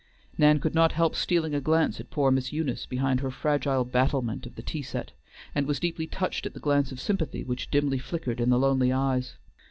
Nan could not help stealing a glance at poor Miss Eunice, behind her fragile battlement of the tea set, and was deeply touched at the glance of sympathy which dimly flickered in the lonely eyes.